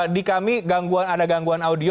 di kami ada gangguan audio